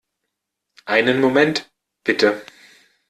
Einen Moment, bitte.